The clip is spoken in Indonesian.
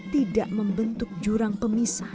tidak membentuk jurang pemisah di masyarakat